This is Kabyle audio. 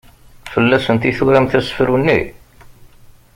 Fell-asent i turamt asefru-nni?